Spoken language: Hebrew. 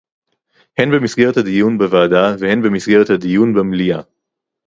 הן במסגרת הדיון בוועדה והן במסגרת הדיון במליאה